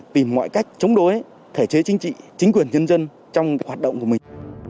tìm mọi cách chống đối thể chế chính trị chính quyền nhân dân trong hoạt động của mình